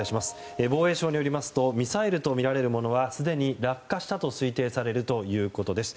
防衛省によりますとミサイルとみられるものはすでに、落下したと推定されるということです。